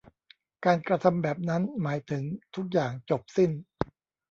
การกระทำแบบนั้นหมายถึงทุกอย่างจบสิ้น